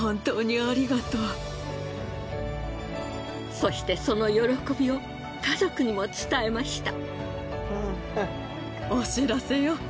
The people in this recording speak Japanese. そしてその喜びを家族にも伝えました。